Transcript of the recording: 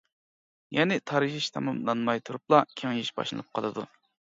يەنى تارىيىش تاماملانماي تۇرۇپلا كېڭىيىش باشلىنىپ قالىدۇ.